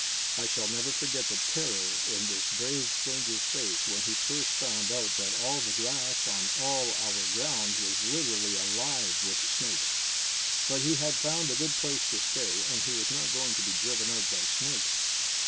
I shall never forget the terror in this brave stranger's face when he first found out that all the grass on all our grounds was literally alive with snakes. But he had found a good place to stay, and he was not going to be driven out by snakes.